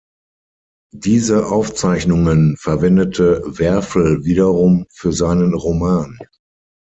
Diese Aufzeichnungen verwendete Werfel wiederum für seinen Roman.